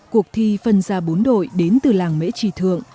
cuộc thi phân ra bốn đội đến từ làng mễ trì thượng